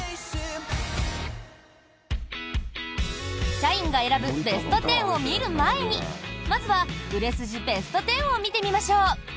社員が選ぶベスト１０を見る前にまずは、売れ筋ベスト１０を見てみましょう。